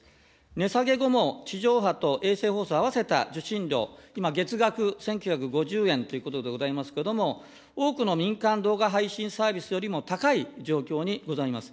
値下げ後も、地上波と衛星放送合わせた受信料、今、月額１９５０円ということでございますけれども、多くの民間動画配信サービスよりも高い状況にございます。